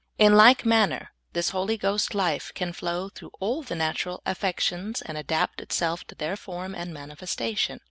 In like manner this Holy Ghost life can flow through all the natural affec tions and adapt itself to their form and manifestation.